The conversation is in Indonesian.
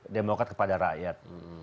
demokrat kepada rakyat